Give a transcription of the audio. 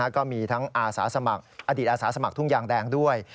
ก็มีทั้งอดีตอาสาสมัครทุ่งยางแดงด้วย